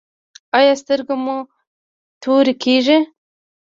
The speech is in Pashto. ایا سترګې مو تورې کیږي؟